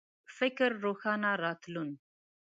فکر روښانه راتلون